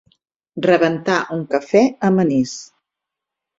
Rebentar un cafè amb anís.